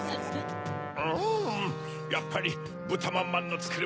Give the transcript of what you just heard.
うんやっぱりぶたまんまんのつくる